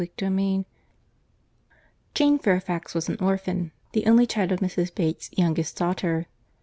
CHAPTER II Jane Fairfax was an orphan, the only child of Mrs. Bates's youngest daughter.